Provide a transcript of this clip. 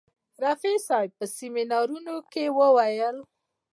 رفیع صاحب په سیمینار کې وویل.